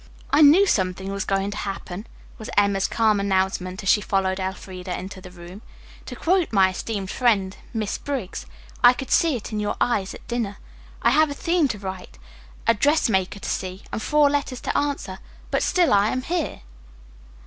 "I knew something was going to happen," was Emma's calm announcement as she followed Elfreda into the room. "To quote my esteemed friend, Miss Briggs, 'I could see' it in your eyes at dinner. I have a theme to write, a dressmaker to see, and four letters to answer, but, still, I am here."